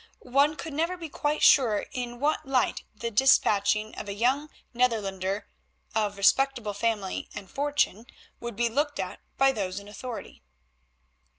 One could never be quite sure in what light the despatching of a young Netherlander of respectable family and fortune would be looked at by those in authority.